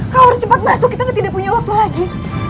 kalau harus cepat masuk kita tidak punya waktu lagi